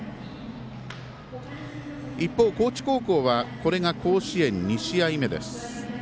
一方、高知高校はこれが甲子園２試合目です。